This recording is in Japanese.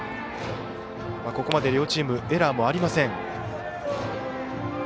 ここまで両チームエラーもありません。